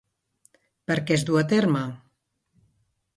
Per què es du a terme?